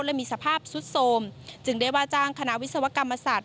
และมีสภาพสุดโสมจึงได้ว่าจ้างคณะวิศวกรรมศาสตร์